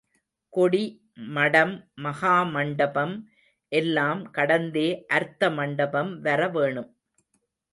கொடி மடம் மகாமண்டபம் எல்லாம் கடந்தே அர்த்த மண்டபம் வர வேணும்.